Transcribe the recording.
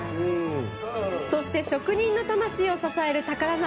そして「職人の魂を支える宝鍋」。